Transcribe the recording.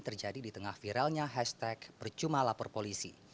terjadi di tengah viralnya hashtag percuma lapor polisi